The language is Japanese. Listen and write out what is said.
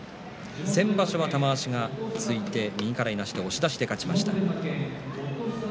先場所は玉鷲が突いて右からいなして押し出しで勝っています。